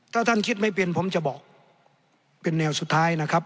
ถ้าท่านคิดไม่เป็นผมจะบอกเป็นแนวสุดท้ายนะครับ